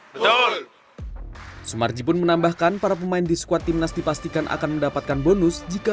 betul sumarji pun menambahkan para pemain di squad timnas dipastikan akan mendapatkan bonus jika